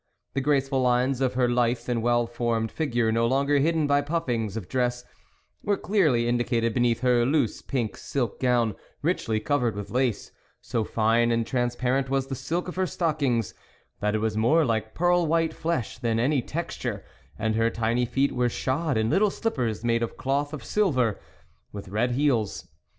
The graceful lines of her lithe and well formed figure, no longer hid den by puffings of dress, were clearly indica ted beneath her loose pink silk gown, richly covered with lace ; so fine and transparent was the silk of her stockings, that it was more like pearl white flesh than any texture, and her tiny feet were shod in little slippers made of cloth of silver, with red heels.